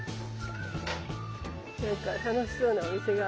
なんか楽しそうなお店が。